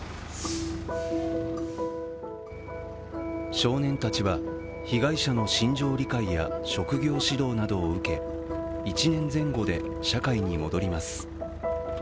少年たちは被害者の心情理解や、職業指導などを受け、１年前後で社会に戻ります。